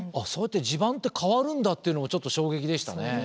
そうやって地盤って変わるんだっていうのがちょっと衝撃でしたね。